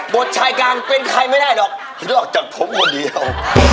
ชายการเป็นใครไม่ได้หรอกนอกจากผมคนเดียว